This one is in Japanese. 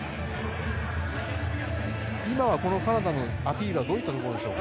今のこのカナダのアピールはどういったところでしょうか。